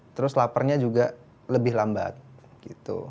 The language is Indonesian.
terus laparnya juga lebih lambat gitu